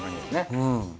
うん。